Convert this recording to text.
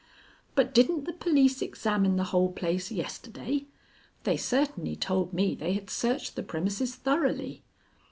But didn't the police examine the whole place yesterday? They certainly told me they had searched the premises thoroughly."